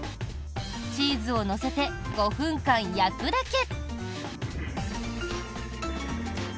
チーズを乗せて５分間焼くだけ。